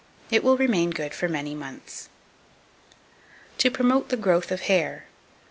It will remain good for many months. To promote the Growth of Hair. 2257.